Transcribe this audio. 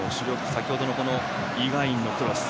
先ほどのイ・ガンインのクロス。